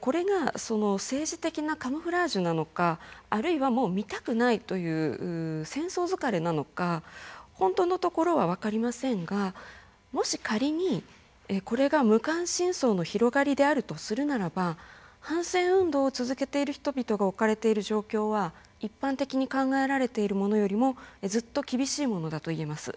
これが政治的なカムフラージュなのかあるいはもう見たくないという戦争疲れなのか本当のところは分かりませんがもし仮にこれが無関心層の広がりであるとするならば反戦運動を続けている人々が置かれている状況は一般的に考えられているものよりもずっと厳しいものだと言えます。